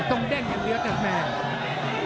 ต้องเต้นเองอย่างเยอะจ่ะแม่ง